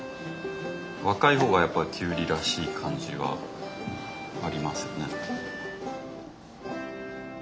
若いほうがやっぱキュウリらしい感じはありますよね。